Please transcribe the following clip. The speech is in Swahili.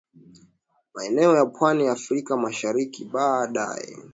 maeneo ya Pwani ya Afrika Mashariki Baadaye